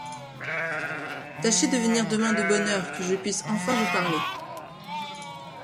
Tâchez de venir demain de bonne heure, que je puisse enfin vous parler.